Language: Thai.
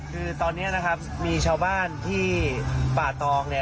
คือตอนนี้นะครับมีชาวบ้านที่ป่าตองเนี่ย